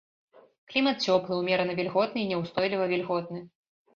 Клімат цёплы, умерана вільготны і няўстойліва вільготны.